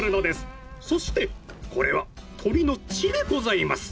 そしてこれは鶏の血でございます！